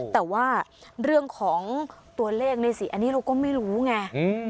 แต่ว่าเรื่องของตัวเลขในสิอันนี้เราก็ไม่รู้ไง